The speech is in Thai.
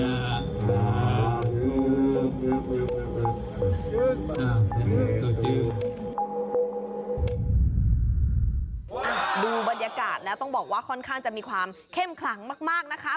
ดูบรรยากาศแล้วต้องบอกว่าค่อนข้างจะมีความเข้มขลังมากนะคะ